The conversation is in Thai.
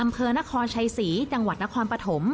อำเภอนครชัยศรีจังหวัดนครปฐม